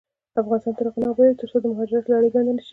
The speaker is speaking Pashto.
افغانستان تر هغو نه ابادیږي، ترڅو د مهاجرت لړۍ بنده نشي.